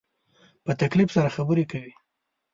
په تکلف سره خبرې کوې